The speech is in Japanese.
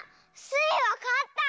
スイわかった！